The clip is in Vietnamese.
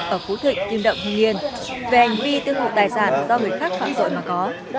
ở khu thịnh tiên đậm hưng yên về hành vi tư hụt tài sản do người khác phản rội mà có